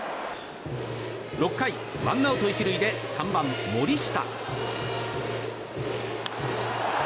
６回、ワンアウト１塁で３番、森下。